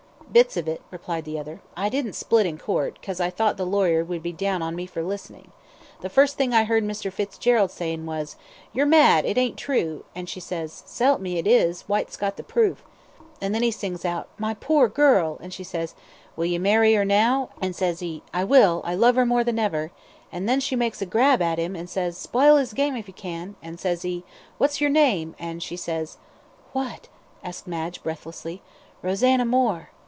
"Bits of it," replied the other. "I didn't split in Court, 'cause I thought the lawyer would be down on me for listening. The first thing I heard Mr. Fitzgerald sayin' was, 'You're mad it ain't true,' an' she ses, 'S'elp me it is, Whyte's got the proof,' an' then he sings out, 'My poor girl,' and she ses, 'Will you marry her now?' and ses he, 'I will, I love her more than ever;' and then she makes a grab at him, and says, 'Spile his game if you can,' and says he, 'What's yer name?' and she says " "What?" asked Madge, breathlessly. "Rosanna Moore!"